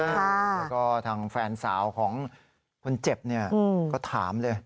แล้วก็ทางแฟนสาวของคนเจ็บเนี่ยก็ถามเลย